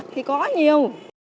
thì có nhiều